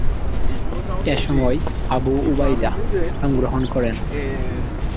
এসময় আবু উবাইদা ইসলাম গ্রহণ করেন।